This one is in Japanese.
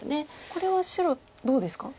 これは白どうですか？